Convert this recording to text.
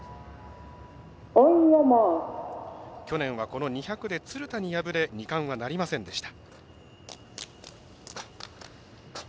去年はこの２００で鶴田に敗れ２冠はなりませんでした。